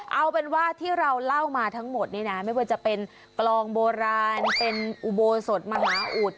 เอาเป็นว่าที่เราเล่ามาทั้งหมดนี่นะไม่ว่าจะเป็นกลองโบราณเป็นอุโบสถมหาอุด